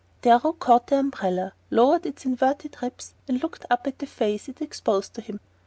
Darrow caught the umbrella, lowered its inverted ribs, and looked up at the face it exposed to him.